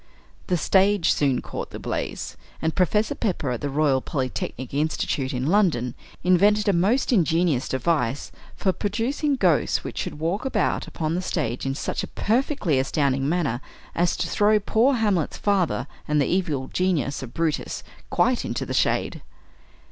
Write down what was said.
The stage soon caught the blaze; and Professor Pepper, at the Royal Polytechnic Institute, in London, invented a most ingenious device for producing ghosts which should walk about upon the stage in such a perfectly astounding manner as to throw poor Hamlet's father and the evil genius of Brutus quite into the "shade."